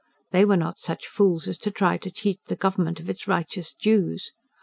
They were not such fools as to try to cheat the Government of its righteous dues.